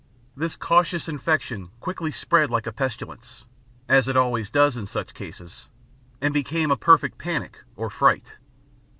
This cautious infection quickly spread like a pestilence, as it always does in such cases, and became a perfect panic or fright.